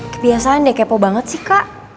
kebiasaan deh kepo banget sih kak